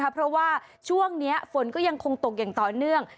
เพราะว่าช่วงนี้ฝนก็ยังคงตกอย่างต่อเนื่อง